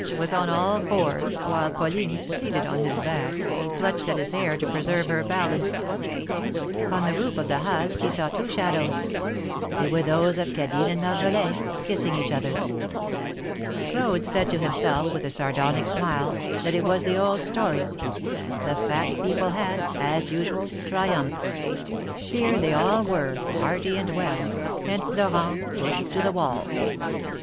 ' Much was on all fours, while Pauline, seated on his back, clutched at his hair to preserve her balance. On the roof of the Halles he saw two shadows: they were those of Cadine and Marjolin kissing each other. Claude said to himself, with a sardonic smile, tliat it was the old story — the Fat people had, as usual, triumphed ; THE MARKETS OF PARIS. 311 here they all were, hearty and well, and Florent pushed to the wall.